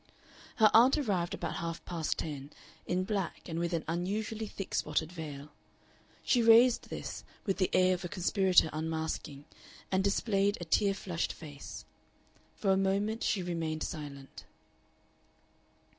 Her aunt arrived about half past ten, in black and with an unusually thick spotted veil. She raised this with the air of a conspirator unmasking, and displayed a tear flushed face. For a moment she remained silent.